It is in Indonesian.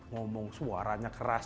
ngomong suaranya keras